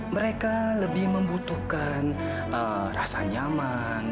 mereka lebih membutuhkan rasa nyaman